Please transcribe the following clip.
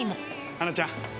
花ちゃん。